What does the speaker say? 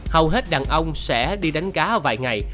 hầu hết đàn ông sẽ đi đánh cá vài ngày